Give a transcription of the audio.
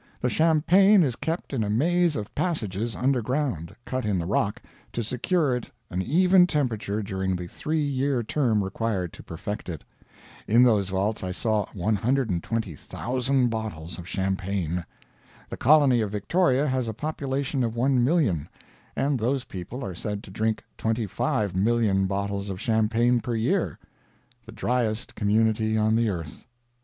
The champagne is kept in a maze of passages under ground, cut in the rock, to secure it an even temperature during the three year term required to perfect it. In those vaults I saw 120,000 bottles of champagne. The colony of Victoria has a population of 1,000,000, and those people are said to drink 25,000,000 bottles of champagne per year. The dryest community on the earth.